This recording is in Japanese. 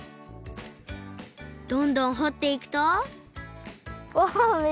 どんどんほっていくとわ！